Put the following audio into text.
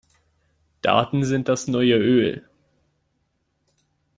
Daten sind das neue Öl.